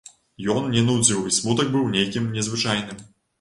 Ён не нудзіў, і смутак быў нейкім незвычайным.